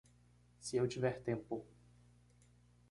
Se eu tiver tempo